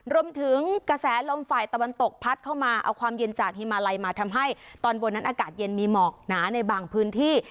รวมถึงกระแสลมฝ่ายตะวันตกพัดเข้ามาเอาความเย็นจากฮิมาลัยมาทำให้ตอนบนนั้นอากาศเย็นมีหมอกหนาในบางพื้นที่